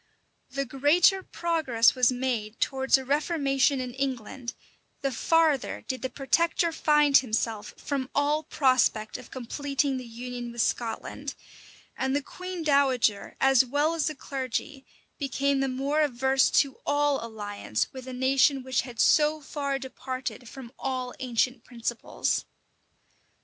The greater progress was made towards a reformation in England, the farther did the protector find himself from all prospect of completing the union with Scotland; and the queen dowager, as well as the clergy, became the more averse to all alliance with a nation which had so far departed from all ancient principles.